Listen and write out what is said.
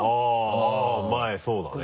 あぁ前そうだね。